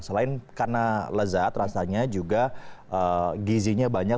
selain karena lezat rasanya juga gizinya banyak